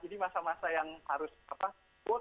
jadi masa masa yang harus